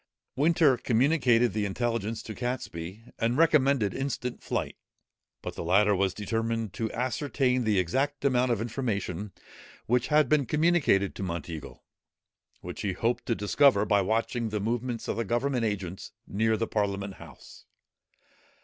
Winter communicated the intelligence to Catesby, and recommended instant flight; but the latter was determined to ascertain the exact amount of information which had been communicated to Monteagle, which he hoped to discover by watching the movements of the government agents near the Parliament House.